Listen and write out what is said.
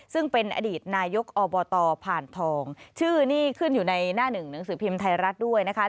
ซึ่งเป็นอดีตนายกอบตผ่านทองชื่อนี่ขึ้นอยู่ในหน้าหนึ่งหนังสือพิมพ์ไทยรัฐด้วยนะคะ